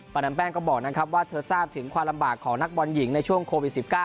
ดามแป้งก็บอกนะครับว่าเธอทราบถึงความลำบากของนักบอลหญิงในช่วงโควิด๑๙